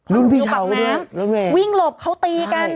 รุ่นพี่เฉาก็ด้วยวิ่งหลบเขาตีกัน